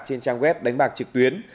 trên trang web đánh bạc trực tuyến